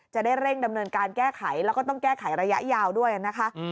จะได้เร่งดำเนินการแก้ไขแล้วก็ต้องแก้ไขระยะยาวด้วยนะคะ